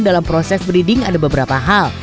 dalam proses breeding ada beberapa hal